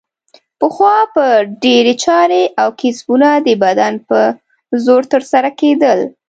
پخوا به ډېرې چارې او کسبونه د بدن په زور ترسره کیدل.